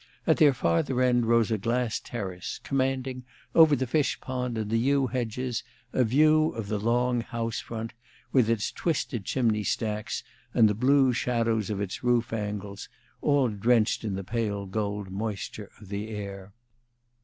At their farther end rose a grass terrace, commanding, over the fish pond and the yew hedges, a view of the long house front, with its twisted chimney stacks and the blue shadows of its roof angles, all drenched in the pale gold moisture of the air.